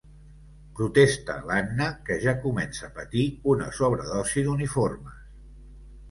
Protesta l'Anna, que ja comença a patir una sobredosi d'uniformes.